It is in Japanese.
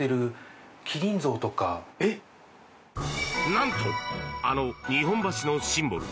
何と、あの日本橋のシンボル